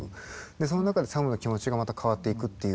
その中でサムの気持ちがまた変わっていくっていう。